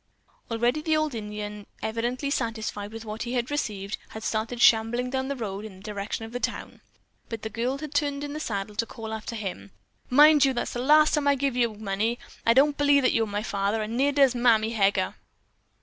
Already the old Indian, evidently satisfied with what he had received, had started shambling down the road in the direction of the town, but the girl turned in the saddle to call after him: "Mind you, that's the last time I'll give you money. I don't believe that you are my father, and neither does Mammy Heger."